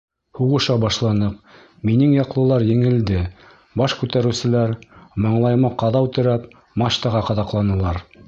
Һуғыша башланыҡ, минең яҡлылар еңелде, баш күтәреүселәр, маңлайыма ҡаҙау терәп, мачтаға ҡаҙаҡланылар.